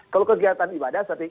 kalau kegiatan ibadah seperti